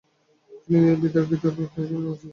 তিনি বিতার্কিক হিসেবে পরিচিত ছিলেন।